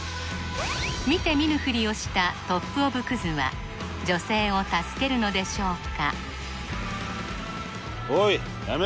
見て見ぬふりをしたトップオブクズは女性を助けるのでしょうか？